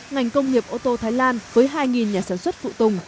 ngành công nghiệp ô tô thái lan với hai nhà sản xuất phụ tùng